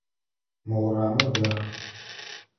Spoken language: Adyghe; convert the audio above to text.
Мо урамыр дахэ.